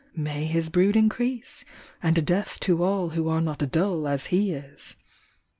May his brood increase, And death to all who are not Dull as he is!